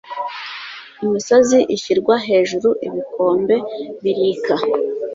Imisozi ishyirwa hejuru ibikombe birīka